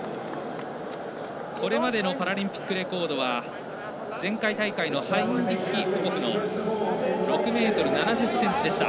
これまでのパラリンピックレコードは前回大会のハインリッヒ・ポポフの６ｍ７０ｃｍでした。